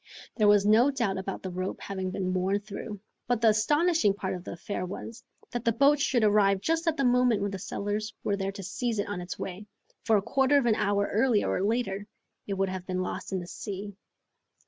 There was no doubt about the rope having been worn through, but the astonishing part of the affair was, that the boat should arrive just at the moment when the settlers were there to seize it on its way, for a quarter of an hour earlier or later it would have been lost in the sea.